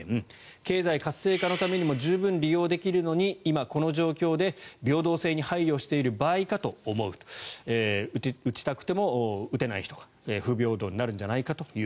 経済活性化のためにも十分活用できるのに今、この状況で平等性に配慮している場合かと思う打ちたくても打てない人が不平等になるんじゃないか。